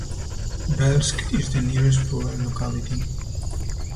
Velsk is the nearest rural locality.